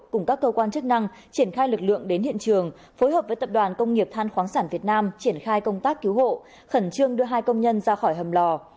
cùng các cơ quan chức năng triển khai lực lượng đến hiện trường phối hợp với tập đoàn công nghiệp than khoáng sản việt nam triển khai công tác cứu hộ khẩn trương đưa hai công nhân ra khỏi hầm lò